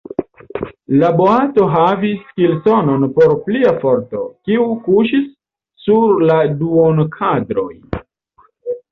La boato havis kilsonon por plia forto, kiu kuŝis sur la duonkadroj.